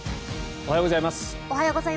おはようございます。